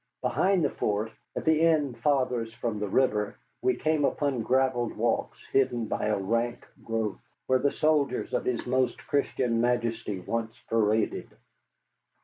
Behind the fort, at the end farthest from the river, we came upon gravelled walks hidden by the rank growth, where the soldiers of his most Christian Majesty once paraded.